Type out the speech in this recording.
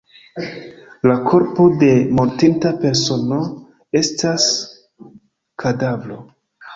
La korpo de mortinta persono estas kadavro.